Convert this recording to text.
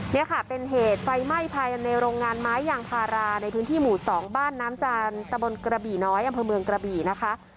นี่ค่ะเป็นเหตุไฟไหม้ภายในโรงงานไม้ยางพาราในพื้นที่หมู่๒บ้านน้ำจานตะบนกระบี่น้อยอำเภอเมืองกระบี่นะคะ